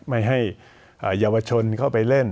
ไม่ให้เยาวชนเข้าไปเล่น